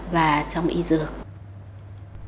và trong ý kiến của các cơ sở hạ tầng